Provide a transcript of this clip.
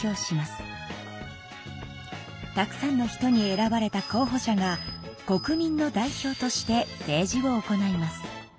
たくさんの人に選ばれた候ほ者が国民の代表として政治を行います。